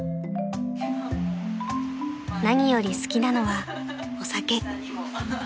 ［何より好きなのはお酒］